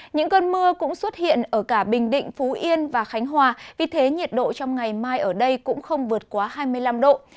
những cơn mưa cũng xuất hiện ở cả bình định phú yên và khánh hòa vì thế nhiệt độ trong ngày mai ở đây cũng không vượt quá hai mươi năm độ